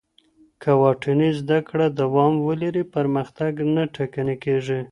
که واټني زده کړه دوام ولري، پرمختګ نه ټکنی کېږي.